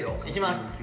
いきます！